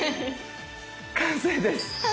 完成です！